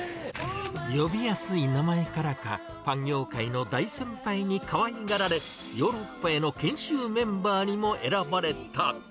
呼びやすい名前からか、パン業界の大先輩にかわいがられ、ヨーロッパへの研修メンバーにも選ばれた。